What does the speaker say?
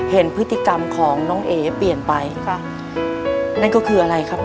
เห็นพฤติกรรมของน้องเอ๋เปลี่ยนไปค่ะนั่นก็คืออะไรครับ